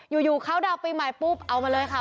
อยู่เข้าดาวน์ปีใหม่ปุ๊บเอามาเลยค่ะ